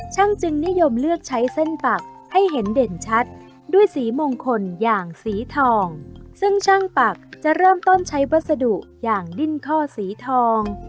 จึงนิยมเลือกใช้เส้นปักให้เห็นเด่นชัดด้วยสีมงคลอย่างสีทองซึ่งช่างปักจะเริ่มต้นใช้วัสดุอย่างดิ้นข้อสีทอง